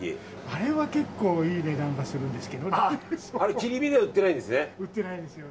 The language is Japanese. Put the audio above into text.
切り身では売ってないんですね。